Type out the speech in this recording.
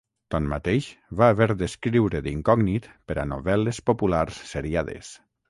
Tanmateix, va haver d'escriure d'incògnit per a novel·les populars seriades.